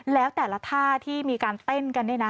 แล้วแต่ละท่าที่มีการเต้นกัน